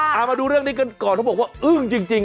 เอามาดูเรื่องนี้กันก่อนเขาบอกว่าอึ้งจริง